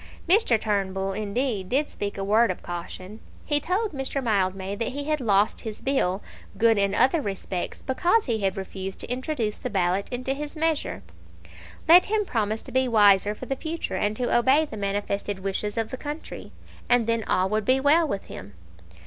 Mr. Turnbull, indeed, did speak a word of caution. He told Mr. Mildmay that he had lost his bill, good in other respects, because he had refused to introduce the ballot into his measure. Let him promise to be wiser for the future, and to obey the manifested wishes of the country, and then all would be well with him.